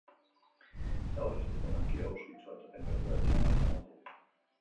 Gaur, osteguna, giro eguzkitsua eta tenperatura atsegina izango dugu.